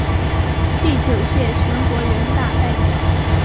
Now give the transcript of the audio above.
第九届全国人大代表。